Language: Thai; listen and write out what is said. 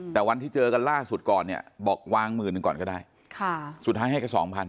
แต่วันที่เจอกันล่าสุดก่อนเนี่ยบอกวางหมื่นหนึ่งก่อนก็ได้สุดท้ายให้แค่๒๐๐